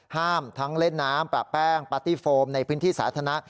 ทั้งเล่นน้ำประแป้งปาร์ตี้โฟมในพื้นที่สาธารณะ